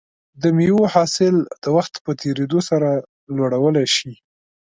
د مېوو حاصل د وخت په تېریدو سره لوړولی شي.